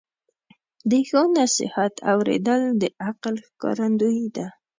د ښو نصیحت اوریدل د عقل ښکارندویي ده.